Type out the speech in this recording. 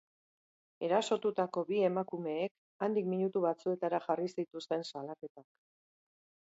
Erasotutako bi emakumeek handik minutu batzuetara jarri zituzten salaketak.